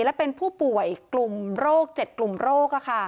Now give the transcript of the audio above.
และเป็นผู้ป่วยกลุ่มโรค๗กลุ่มโรค